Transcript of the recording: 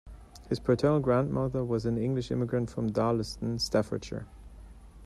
His paternal grandmother was an English immigrant from Darlaston, Staffordshire.